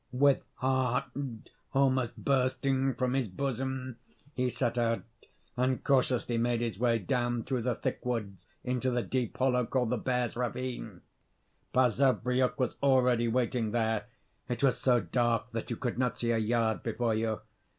With heart almost bursting from his bosom, he set out and cautiously made his way down through the thick woods into the deep hollow called the Bear's ravine. Basavriuk was already waiting there. It was so dark that you could not see a yard before you.